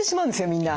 みんな。